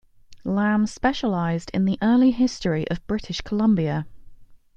Lamb specialized in the early history of British Columbia.